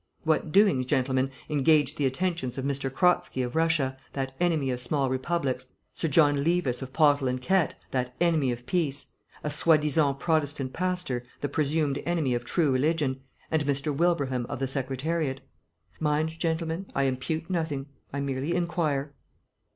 What doings, gentlemen, engage the attentions of M. Kratzky of Russia, that enemy of small republics, Sir John Levis of Pottle and Kett, that enemy of peace, a soi disant Protestant pastor, the presumed enemy of true religion, and M. Wilbraham of the Secretariat? Mind, gentlemen, I impute nothing. I merely inquire."